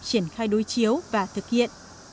chuyển khai đối chiếu và thực hiện